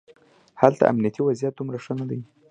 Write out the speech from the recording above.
هلته امنیتي وضعیت دومره ښه نه دی.